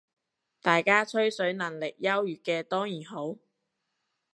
大家吹水能力優越嘅當然好